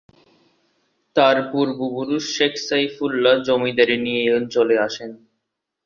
তার পূর্বপুরুষ শেখ সাইফুল্লাহ জমিদারি নিয়ে এ অঞ্চলে আসেন।